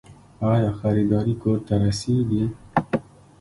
آیا خریداري کور ته رسیږي؟